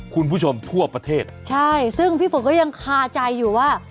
คุณผู้ชมทั่วประเทศใช่ซึ่งพี่ฝนก็ยังคาใจอยู่ว่า